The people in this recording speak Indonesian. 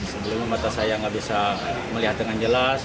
sebelumnya mata saya nggak bisa melihat dengan jelas